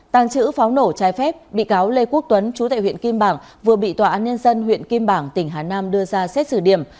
tàng trữ pháo nổ trái phép bị cáo lê quốc tuấn chú tại huyện kim bảng vừa bị tòa án nhân dân huyện kim bảng tỉnh hà nam đưa ra xét xử điểm